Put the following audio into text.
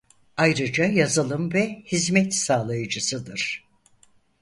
Ayrıca yazılım ve hizmet sağlayıcısıdır.